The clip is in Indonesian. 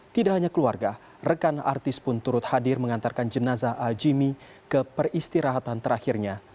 tidak hanya keluarga rekan artis pun turut hadir mengantarkan jenazah a jimmy ke peristirahatan terakhirnya